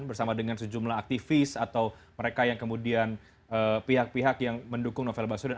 bersama dengan sejumlah aktivis atau mereka yang kemudian pihak pihak yang mendukung novel baswedan